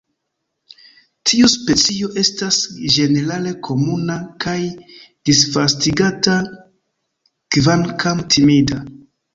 Tiu specio estas ĝenerale komuna kaj disvastigata, kvankam timida.